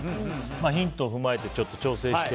ヒントを踏まえて調整して。